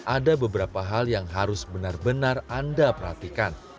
ada beberapa hal yang harus benar benar anda perhatikan